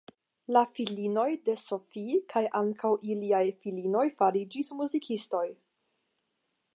La filinoj de Sophie kaj ankaŭ iliaj filinoj fariĝis muzikistoj.